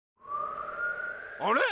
あれ？